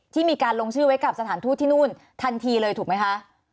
มีการลงชื่อไว้กับสถานทูตที่นู่นทันทีเลยถูกไหมคะ